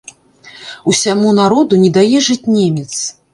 Усяму народу не дае жыць немец.